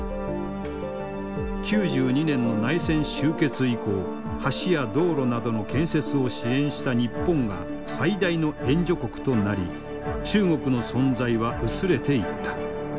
９２年の内戦終結以降橋や道路などの建設を支援した日本が最大の援助国となり中国の存在は薄れていった。